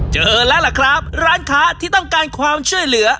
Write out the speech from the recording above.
เจอแล้วล่ะครับร้านค้าที่ต้องการความช่วยเหลือ